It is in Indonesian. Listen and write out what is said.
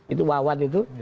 itu wawan itu